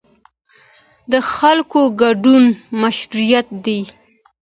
د خلکو ګډون مشروعیت دی